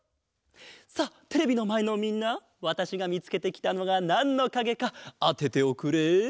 さあテレビのまえのみんなわたしがみつけてきたのがなんのかげかあてておくれ！